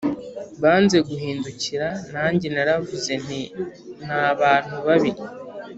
banze guhindukira nanjye naravuze nti ni abantu babi